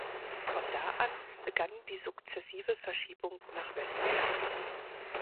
Von da an begann die sukzessive Verschiebung nach Westen.